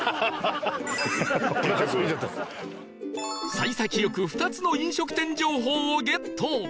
幸先良く２つの飲食店情報をゲット